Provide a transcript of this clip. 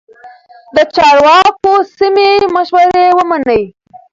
د چارواکو سمې مشورې ومنئ.